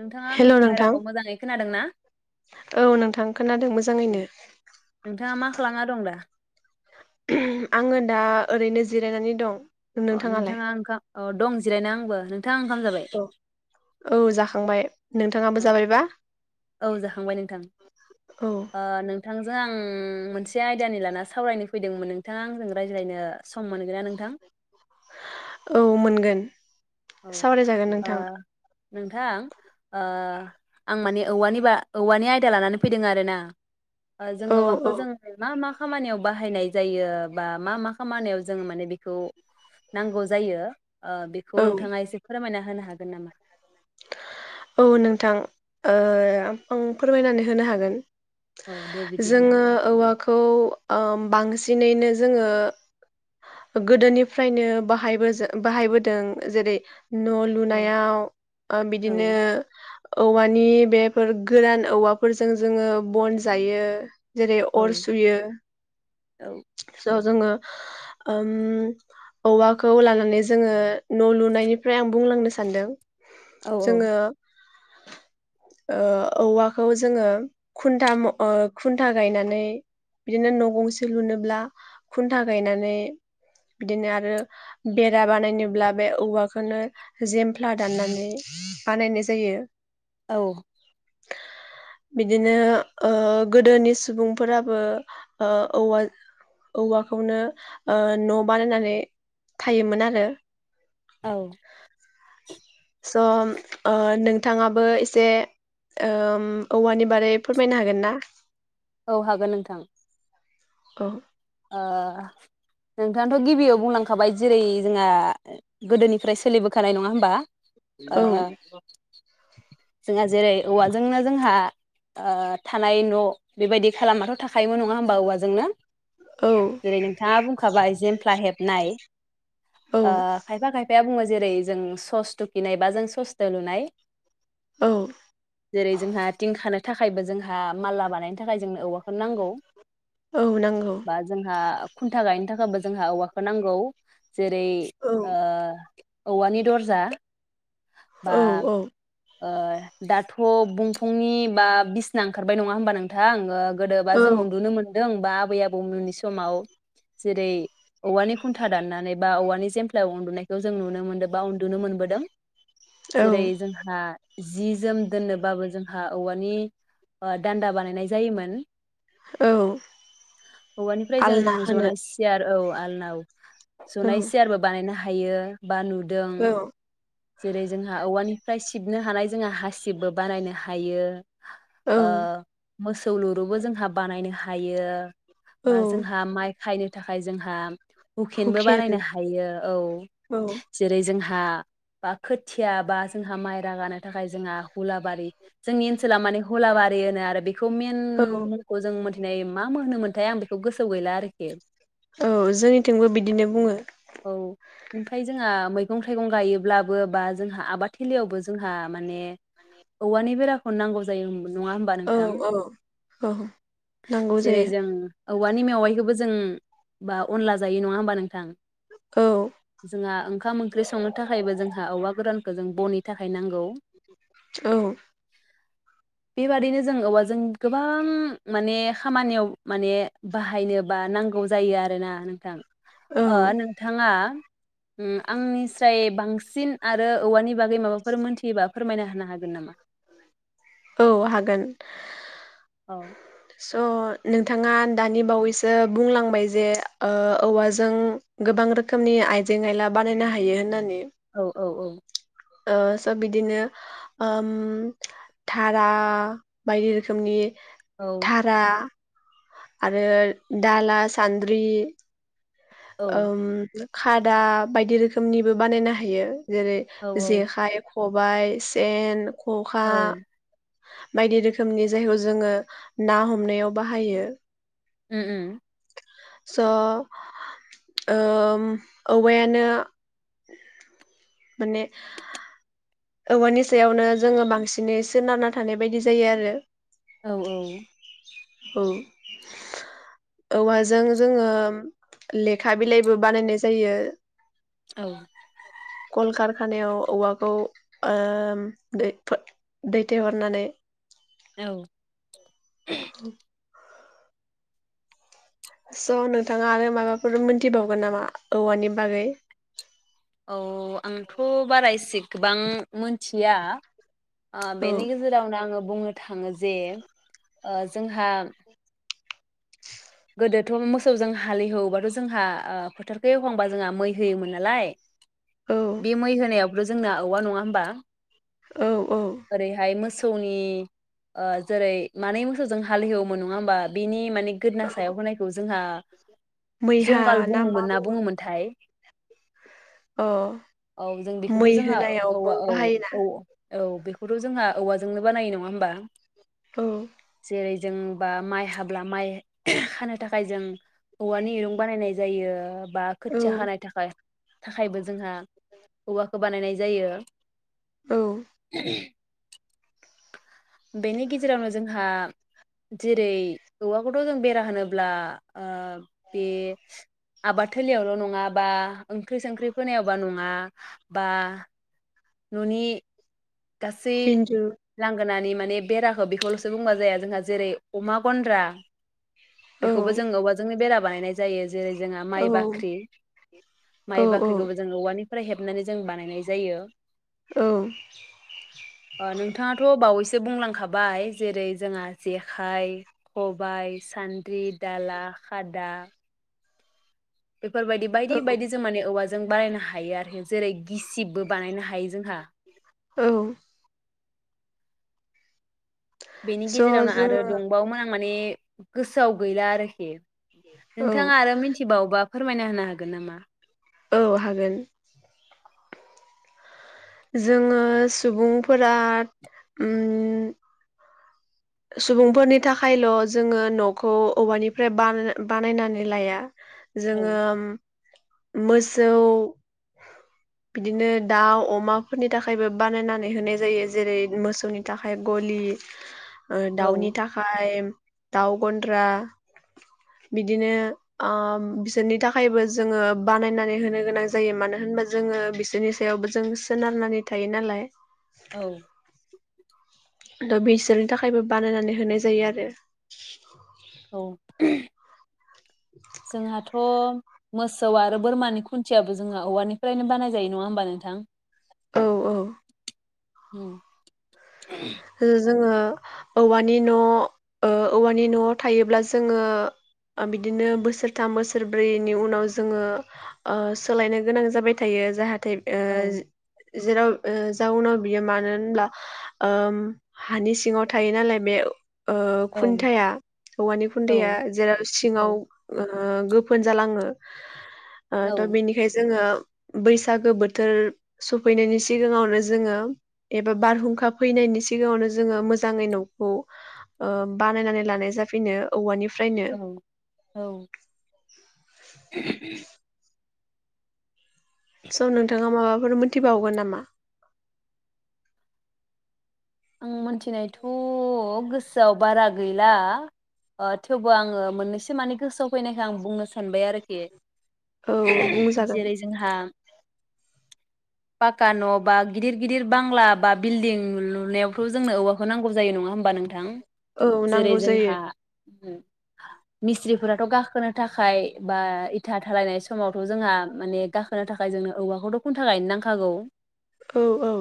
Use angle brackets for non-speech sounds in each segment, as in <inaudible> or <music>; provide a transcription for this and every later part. नोंथाङा हेल' आंनि बुंनाय नोंथां रावखौ मोजाङै खोनादों ना? औ नोंथां खोनादों मोजाङैनो। नोंथाङा मा खालामना दं दा? उह आङो दा ओरैनो जिरायनानै दं अ नोंथाङालाय नोंथाङा ओंखाम औ दं जिरायना आंबो नों औ औ जाखांबाय नोंथाङाबो जाबायबा? औ जाखांबाय नोंथां औ ओ नोंथां जों मोनसे आयदानि लाना सावरायनो फैदोंमोन नोंथाङा आंजों रायज्लायनो सम मोन <inaudible> औ मोनगोन औ सावरायजागोन ओ नोंथां नोंथां ओ आं माने औवानि बा औवानि आयदा लानानै फैदों आरो ना ओ जों औ औ औवाखौ जों मा मा खामानियाव बाहायनाय जायो बा मा मा खामानियाव जों माने बेखौ नांगौ जायो ओ बेखौ औ नोंथाङा एसे फोरमायना होनो हागोन नामा? औ नोंथां ओ आं फोरमायनानै होनो हागोन। औ दे बिदिब्ला जोङो औवाखौ ओ बांसिन बांसिनैनो जोङो गोदोनिफ्रायनो बाहायबोजो बाहायबोदों जेरै न औ लुनायाव ओ बिदिनो औ औवानि बेफोर गोरान औवाफोरजों जोङो बन जायो जेरै औ अर सुयो औ <inaudible> जोङो ओम औवाखौ लानानै जोङो न लुनायनिफ्राय आं बुंलांनो सानदों औ जोङो <inaudible> ओ औवाखौ जोङो खुन्था मह ओ खुन्था गायनानै बिदिनो न गंसे लुनोब्ला खुन्था गायनानै बिदिनो आरो बेरा बानायनोब्ला बे औवाखौनो जेमफ्ला दाननानै बानायनाय जायो औ बिदिनो ओ गोदोनि सुबुंफोराबो ओ औवा औवाखौनो ओ न बानायनानै थायोमोन आरो औ स ओ नोंथाङाबो एसे ओम औवानि बागै फोरमायनो हागोन ना? औ हागोन नोंथां। औ। ओ नोंथांथ गिबियाव बुंलांखाबाय जेरै जोंहा गोदोनिफ्राय सोलिबोखानाय नङा होमबा। ओ। औ जोंहा जेरै औवाजोंनो जोंहा ओ थानाय न बेबायदि खालामनााथ थाखायोमोन नङा होमबा औवाजोंनो। औ जेरै नोंथाङा बुंखाबाय जेमफ्ला हेबनाय औ ओ खायफा खायफा। या बुङो जेरै जों सस थुकिनाय बा जों ससजों लुनाय। औ जेरै जोंहा थिंखानो थाखायबो जोंहा मालला बानायनो थाखाय जोंनो औवा औ नांगौ। बा जोंहा खुन्था गायनो थाखायबो जोंहा औवाखौ नांगौ। जेरै औ ओ औवानि दरजा। बा औ औ। ओ दाथ' बुंफुंनि बा बिसना ओंखारबाय नङा हबा नोंथां ओ गोदोबा औ जों उन्दुनो मोन दों बा आबै आबौ मुननि समाव जेरै औवानि खुन्था दाननानै बा औवानि जेमफ्लायाव उन्दुनायखौ जों नुनो मोनदो बा उन्दुनो मोनबोदों। औ जेरै जोंहा हा जि जोम दोननोबाबो जोंहा औवानि ओ दान्दा बानायनाय जायोमोन। औ औवानिफ्राय जों आलना होनो जनाय सियार औ आलना औ। जनाय सियार बो बानायनो हा हायो। बा नुदों। औ औ जेरै जोंहा औवानिफ्राय सिबनो हानाय जोंहा हासिबबो बानायनो हायो। ओ औ मोसौ लुरुबो जोंहा बानायनो हायो। औ बा जोंहा माइ खायनो थाखाय जोंहा हुकेनबो बानायनो हुकेन हायो औ औ जेरै जोंहा हा बा खोथिया बा जोंहा माइ रागानो थाखाय जोंहा हुलाबारि जोंनि ओनसोला माने हुलाबारि होनो आरो बे खौ मेन औ मुंखौ जों मोनथिनायोम मा मोनोमोनथाय आं बेखौ गोसोआव गैला आरोखि। औ जोंनिथिंबो बिदिनो बुङो। औ ओमफाय जोंहा मैगं थाइगं गायोब्लाबो बा जोंहा आबाद थिलियावबो जोंहा माने औवानि बेराखौनो नांगौ जायो होम नङा होमबा औ नोंथां औ औ नांगौ जेरै जायो जों औ औवानि मेवाइखौबो जों बा अनला जायो नङा होमबा नोंथां। औ जोंहा ओंखाम ओंख्रि संनो थाखायबो जों हा औवा गोरानखौ जों बननि थाखाय नांगौ। औ बेबादिनो जों औवाजों गोबां माने खामानियाव माने बाहायनोबा नांगौ जायो आरोना नोंथां औ अ नोंथाङा आंनिस्राय बांसिन सिन आरो औवानि बागै माबा फोर मोन फैबा फोरमायना होनो हागोन नामा औ हागोन औ स' नोंथाङा दानि बावैसो बुंलांबाय जे औवाजों गोबां रोखोमनि आइजें आयला बानायनो हायो होननानै औ औ औ स' बिदिनो धारा बायदि रोखोमनि औ दारा आरो दाला सान्द्रि औ खादा बायदि रोखोमनिबो बानायनो हायो जेरै औ जेखाइ खबाइ सेन खखा औ बायदि रोखोमनि जायखौ जोङो ना हमनायाव बाहायो उम उम स ओ औवायानो माने औवानि सायावनो जोङो बांसिनैसो सोनारना थानाय बायदि जायो आरो औ औ औ औवाजों जोङो लेखा बिलाइबो बानायनाय जायो औ कल-कारकाना खानायाव औवाखौ ओ दै दैथायहरनानै औ उम स' नोंथाङा आरो माबाफोर मोनथिबावगोन नामा औवानि बागै? औ आंथ' बारासे गोबां मिथिया आ औ बेेनि गेजेरावनाे आं बुंनो थाङो जे ओ जोंहा गोदोथ' मोसौजों हालेववोबाथ' जोंहा ओ फोथारखौ एवखांबा जोंहा मै होयोमोन नालाय औ बे मै होनायाव <unintelligible> जोंना औवा नङा होनबा औ औ ओरै हाय मोसो मोसौनि ओ जेरै मानै मोसौजों हालएवोमोन नङा होमबा बिनि माने गोदना सायाव होनायखौ जोंहा मैहा जंगाल मा बुङोमोन ना बुङो बुङोमोनथाय अ औ जों बेखौबो मै जोंहा औवा होनायावबो औ बाहायोना औ औ बेखौथ' जोंहा औवाजोंनो बानायो नङा होमबा औ जेरै जोंबा माइ हाब खानो थाखाय जों औवानि इरुं बानायनाय जायो बा औ खोथिया हानाय थाखाय थाखायबो जोंहा औवा खौ बानायनाय जायो औ <inaudible> बेनि गेजेरावनो जोंहा जेरै औवाखौथ' जों बेरा होनोब्ला बे आबाद थलियावल' नङा बा ओंख्रि संख्रि फोनायावबा नङा बा ननि गासै इन्जुर लां होनानै माने बेराखौ बेखौल'सो बुंबा जाया जोंहा जेरै अमा गन्द्रा औ बेखौबो जों औवाजोंनो बेरा बायनाय जायो जेरै जोंहा माइ औ बाख्रि औ माइ औ बाख्रिखौबो जों औवानि निफ्राय हेबनानै जों बानायनाय जायो औ ओ नोंथाङाथ' बावैसो सो बुंलांखाबाय जेरै जोंहा जेखाइ खबाइ सान द्रि दाला खादा <inaudible> बेफोरबायदि बायदि औ बायदि जों माने औवा जों बानायनो हायो आरोखि जेरै गिसिबबो बानायनो हायो हायो जोंहा औ बेनि स' गेजेरावनो आरो जोङो दंबावोमोन आं माने गोसोआव गैला आरोखि औ नोंथाङा आरो मिथिबावोबा फोरमायना होनो हागोन नामा औ हागोन जोङो सुबुंफोरा सुबुंफोरनि थाखायल' जोङो न'खौ औवानिफ्राय बानायनानै लाया औ जोङो मोसौ बिदिनो दाउ अमाफोरनि थाखायबो बानायनानै होनाय जायो जेरै मोसौनि थाखाय गलि ओ औ दाउनि थाखाय दाउ गन्द्रा बिदिनो बिसोरनि थाखायबो जोङो बानायनानै होनो गोनां जायो मानो होनबा जोङो बिसोरनि सायावबो जों सोनारनानै थायो नालाय औ दा बिसोरनि थाखायबो बानायनानै होनाय जायो आरो औ जोंहाथ' मोसौ आरो बोरमानि खुन्थियाबो जोंहा औवानिफ्रायनो बानाय जायो नङा होमबा नोंथां औ औ ओ जोङो औवानि न' औवानि न'आव थायोब्ला जोङो बिदिनो बोसोरथाम बोसोरब्रैनि उनाव जोङो सोलायनो गोनां जाबाय थायो जाहाथे ओ औ जेराव जाउनाव बियो मानो होनब्ला हानि सिङाव थायो नालाय बे ओ औ खुन्थाया औवानि औ खुन्थाया जेराव औ सिङाव ओ गोफोन जालाङो ओ औ बिनिखायनो जोङो बैसागो बोथोर सफैनायनि सिगाङावनो जोङो एबा बारहुंखा फैनायनि सिगां सिगाङावनो जोङो मोजाङै न'खौ बानायनानै लानाय जाफिनो औवानि औ औ स' नोंथाङा माबाफोर मोनथिबावगोन नामा आं मिथिनायथ' गोसोआव बारा गैला थेवबो आङो मोननैसो माने गोसोआव फैनायखौ आं बुंनो सानो सानबाय आरोखि औ बुंजागोन जेरै जोंहा पाक्का न' बा गिदिर गिदिर बांला बा बिल्डिं नुनायाव खौ जोंनो औवाखौ नांगौ जायो नङा होमबा नोंथां? औ जेरै नांगौ जायो जोंहा मिस्थ्रिफोराथ' गाखोनो थाखाय बा इथा दालायनाय समावथ' जोंहा माने गाखोनो थाखाय जोंनो औवाखौथ' खुन्था गायनो नांखागौ। औ औ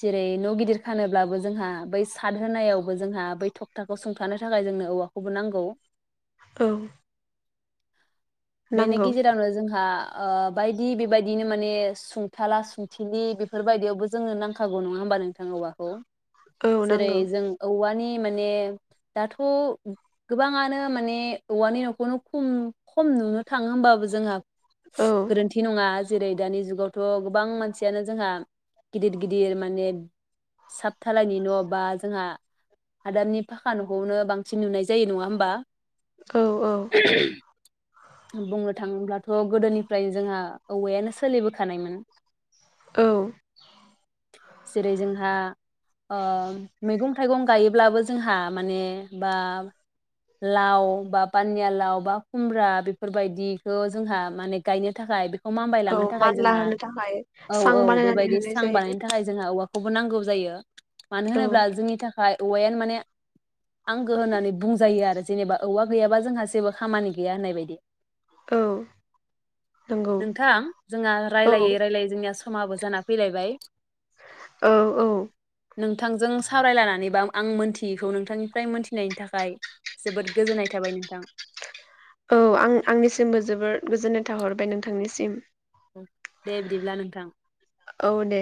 जेरै नगिदिर खानोब्लाबो जोंहा बै साद होनायावबो जोंहा बै थखथाखौ सुंथानो थाखाय जोंनो औवाखौबो नांगौ। औ बेनि नांगौ गेजेरावनो जोंहा ओ बायदि बेबायदिनो माने सुंथाला सुंथिलि बेफोरबायदियावबो जोनो नांखागौ नङा होमबा नोंथां औवाखौ औ जेरै नांगौ जों औवानि माने दाथ गोबाङानो माने औवानि नखौनो खम खम नुनो थाङो होमबाबो जोंहा औ गोरोन्थि नङा जेरै दानि जुगावथ, गोबां मानसियानो जोंहा गिदिर गिदिर माने साब थालायनि न' बा जोंहा हादाबनि फाखा नखौनो बांसिन नुनाय जायो नङा होमबा? औ औ बुंनो थाङोब्लाथ गोदोनिफ्रायनो जोंहा औवायानो सोलिबोखानायमोन औ जेरै जोंहा ओ मैगं थाइगं गायोब्लाबो जोंहा माने बा लाव बा पानिया लाव बा खुमब्रा बे फोरबायदिखौ जोंहा माने गायनो थाखाय बे खौ मामबाय औ लांनो थाखाय मानला जोंहा होनो थाखाय औ सां औ बानायनानै बेबायदि होनाय सां जायो बानायनो थाखाय जोंहा औवाखौ खौबो नांगौ जायो। मानो औ होनोब्ला जोंनि था खाय औयानो माने आंगो होननानै बुंजायो आरो। जेनेबा औवा गैयाबा जोंहा जेबो खामानि गैया होननाय बायदि औ नंगौ नोंथां जोंहा औ रायलायै रायलायै जोंनिया समाबो जाना फैलायबाय औ औ नोंथांजों सावरायलनानै बा आं मोनथियैखौ नोंथांनिफ्राय मोनथिनायनि थाखाय जोबोद गोजोननाय थाबाय नोंथां औ आं आंनिसिमबो जोबोर गोजोननाय थाहरबाय नोंथांनिसिम। दे बिदिब्ला नोंथां औ दे